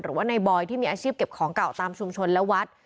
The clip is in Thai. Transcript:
หรือว่าในบอยที่มีอาชีพเก็บของเก่าตามชุมชนและวัด